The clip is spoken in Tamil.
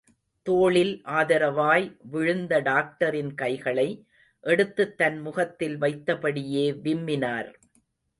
தோளில் ஆதரவாய் விழுந்த டாக்டரின் கைகளை எடுத்துத் தன் முகத்தில் வைத்தபடியே விம்மினார்.